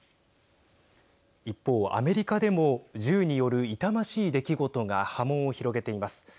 一方、アメリカでも銃による痛ましい出来事が波紋を広げています。